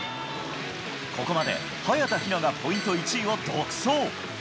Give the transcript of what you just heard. ここまで早田ひながポイント１位を独走。